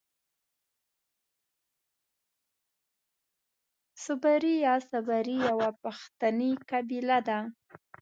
صبري يا سبري يوۀ پښتني قبيله ده.